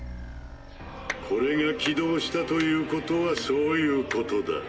これが起動したということはそういうことだ。